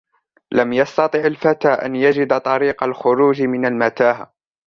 لم يستطع الفتى أن يجد طريق الخروج من المتاهة.